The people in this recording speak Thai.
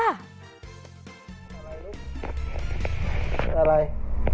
อะไร